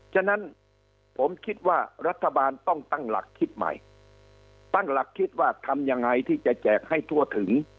ฉะนั้นผมคิดว่ารัฐบาลต้องตั้งหลักคิดใหม่ตั้งหลักคิดว่าทำยังไงที่จะแจกให้ทั่วถึง